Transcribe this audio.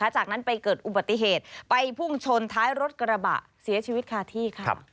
จากนั้นไปเกิดอุบัติเหตุไปพุ่งชนท้ายรถกระบะเสียชีวิตคาที่ค่ะ